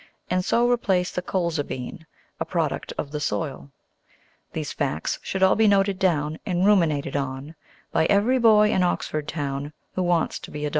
And so replace the colza bean (A product of the soil). These facts should all be noted down And ruminated on, By every boy in Oxford town Who wants to be a Don.